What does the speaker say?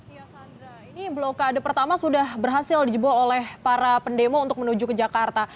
ya sandra ini blokade pertama sudah berhasil dijebol oleh para pendemo untuk menuju ke jakarta